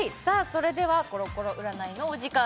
それではコロコロ占いのお時間です